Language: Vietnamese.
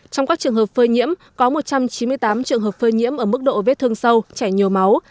trong các trường hợp phơi nhiễm có một trăm chín mươi tám trường hợp phơi nhiễm ở mức độ vết thương sâu chảy nhiều máu